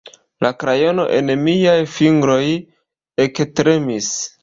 La krajono en miaj fingroj ektremis.